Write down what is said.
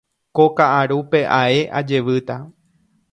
Ko ka'arúpe ae ajevýta.